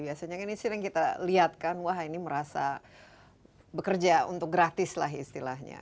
biasanya kita sering melihatkan wah ini merasa bekerja untuk gratis istilahnya